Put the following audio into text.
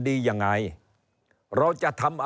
เริ่มตั้งแต่หาเสียงสมัครลง